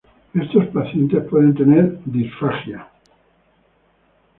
Estos pacientes pueden tener disfagia.